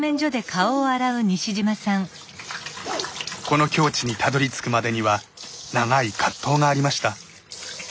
この境地にたどりつくまでには長い葛藤がありました。